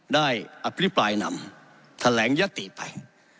อภิปรายนำแถลงยติไป